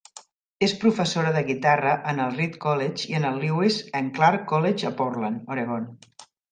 És professora de guitarra en el Reed College i en el Lewis and Clark College a Portland, Oregon.